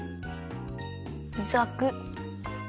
ざくっ！